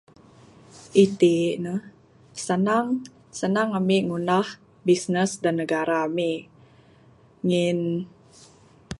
Iti ne sanang, sanang ami ngunah bisnes da negara ami ngin.